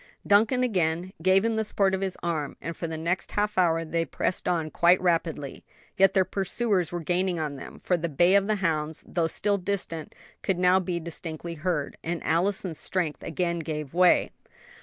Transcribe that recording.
Duncan again gave him the support of his arm, and for the next half hour they pressed on quite rapidly; yet their pursuers were gaining on them, for the bay of the hounds, though still distant, could now be distinctly heard, and Allison's strength again gave away.